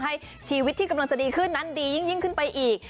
ให้ชีวิตที่กำลังจะดีขึ้นนั้นดียิ่งขึ้นไปอีก